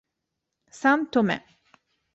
San Tomé